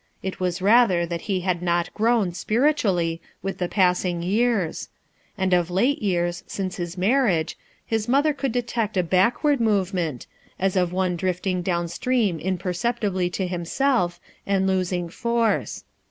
It was rather that he had not grown, spiritually, with the passing years; and of late years, since bis marriage, his mother could detect a backward movement, as of one drift ins: downstream imperceptibly to himself, and losing force.